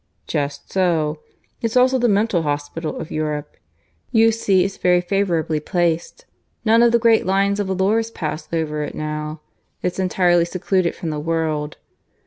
"Just so. It's also the mental hospital of Europe. You see it's very favourably placed. None of the great lines of volors pass over it now. It's entirely secluded from the world.